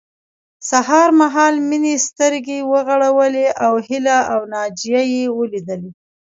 سهار مهال مينې سترګې وغړولې او هيله او ناجيه يې وليدلې